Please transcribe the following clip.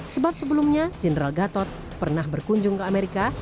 sebab sebelumnya general gatot pernah berkunjung ke amerika